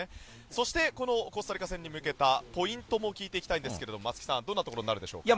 そして、コスタリカ戦に向けたポイントも聞いていきたいんですが松木さん、どんなところになるでしょうか。